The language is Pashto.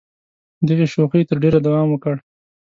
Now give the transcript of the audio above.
دغې شوخۍ تر ډېره دوام وکړ.